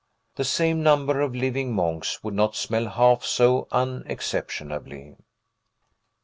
The same number of living monks would not smell half so unexceptionably.